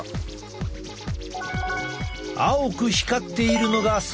青く光っているのが細胞膜。